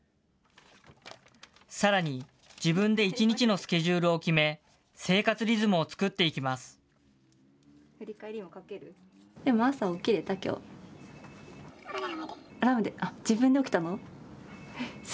さらに、自分で一日のスケジュールを決め、生活リズムを作っていきます。